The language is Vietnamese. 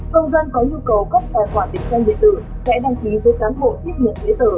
công dân có nhu cầu cấp tài khoản định danh điện tử sẽ đăng ký với cán bộ tiếp nhận giấy tờ